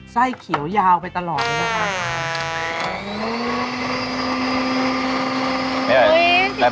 ไส้เขียวยาวไปตลอดเลยนะคะ